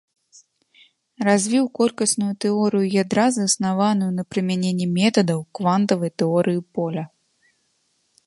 Развіў колькасную тэорыю ядра, заснаваную на прымяненні метадаў квантавай тэорыі поля.